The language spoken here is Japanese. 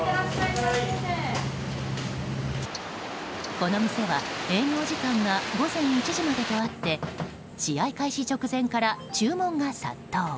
この店は営業時間が午前１時までとあって試合開始直前から注文が殺到。